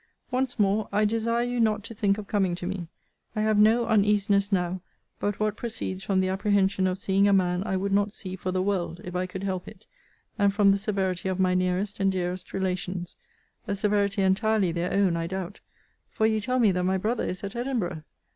Once more, I desire you not to think of coming to me. I have no uneasiness now, but what proceeds from the apprehension of seeing a man I would not see for the world, if I could help it; and from the severity of my nearest and dearest relations: a severity entirely their own, I doubt; for you tell me that my brother is at Edinburgh!